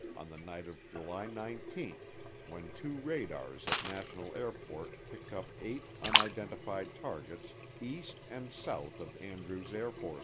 on the night of July 19 when two radars at National Airport picked up eight unidentified targets east and south of Andrews AFB.